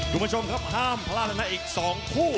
คุณผู้ชมครับห้ามพลาดแล้วนะอีก๒คู่